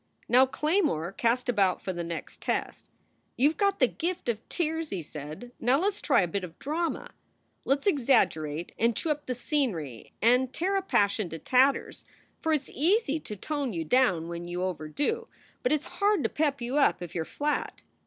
Now Claymore cast about for the next test. "You ve got the gift of tears," he said. "Now let s try a bit of drama! Let s exaggerate and chew up the scenery and tear a passion to tatters, for it s easy to tone you down when you overdo, but it s hard to pep you up if you re flat."